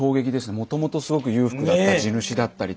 もともとすごく裕福だった地主だったりとか。